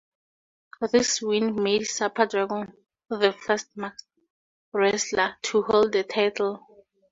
This win made Super Dragon the first masked wrestler to hold the title.